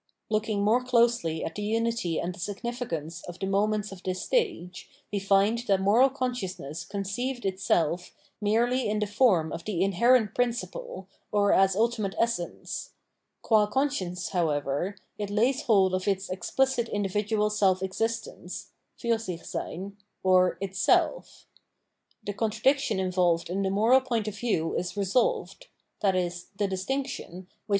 Looking more closely at the unity and the significance of the moments of this stage, we find that moral consciousness conceived itself merely in the form of 648 Phmcmenology of Mind the inherent principle, or as ultimate essence; qm conscience, however, it lays hold of its explicit inm vidual self existence (Fursichseyn), or its self. The contradiction involved in the moral point of view is resolved, i.e. the distinction, which